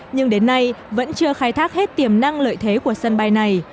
nhưng đến nay vẫn chưa khai thác hết tiềm năng lợi thế của sân bay này